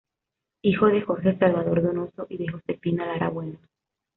Hijo de Jorge Salvador Donoso y de Josefina Lara Bueno.